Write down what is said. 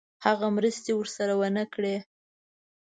هغه مرستې ورسره ونه کړې.